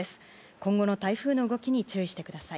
今後の台風の動きに注意してください。